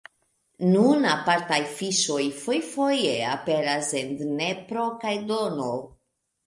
Nun apartaj fiŝoj fojfoje aperas en Dnepro kaj Dono.